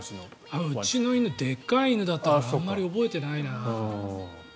うちの犬はでっかい犬だったから覚えてないな。